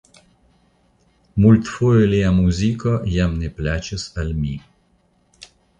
Multfoje lia muziko jam ne plaĉis al mi.